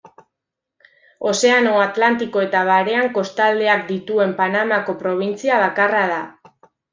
Ozeano Atlantiko eta Barean kostaldeak dituen Panamako probintzia bakarra da.